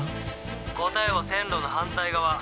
「答えは線路の反対側。